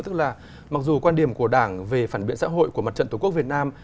tức là mặc dù quan điểm của đảng về phản biện xã hội của mặt trận tổ quốc việt nam